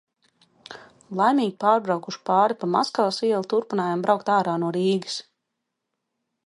Laimīgi pārbraukuši pāri pa Maskavas ielu turpinājām braukt ārā no Rīgas.